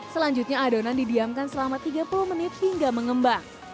selanjutnya adonan didiamkan selama tiga puluh menit hingga mengembang